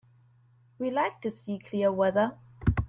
We like to see clear weather.